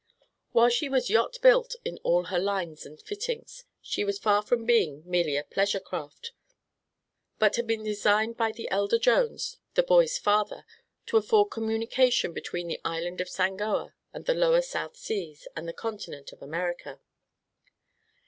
While she was yacht built in all her lines and fittings, she was far from being merely a pleasure craft, but had been designed by the elder Jones, the boy's father, to afford communication between the Island of Sangoa, in the lower South Seas, and the continent of America.